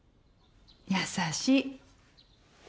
優しい。